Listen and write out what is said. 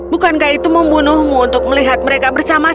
bukankah itu membunuhmu untuk melihat mereka bersama sama